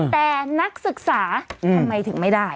แต่นักศึกษาทำไมถึงไม่ได้